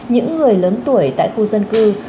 những người lớn tuổi tại khu dân cư